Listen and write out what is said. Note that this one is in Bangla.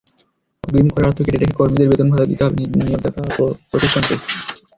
অগ্রিম করের অর্থ কেটে রেখে কর্মীদের বেতন-ভাতা দিতে হবে নিয়োগদাতা প্রতিষ্ঠানকে।